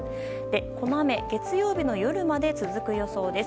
この雨月曜日の夜まで続く予想です。